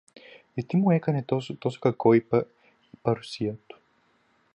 Γιατί μου έκανε τόσο κακό η παρουσία του